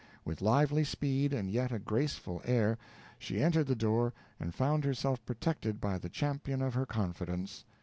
With lively speed, and yet a graceful air, she entered the door and found herself protected by the champion of her confidence.